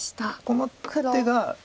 この手が。